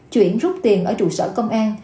chuyển rút tiền ở trụ sở công an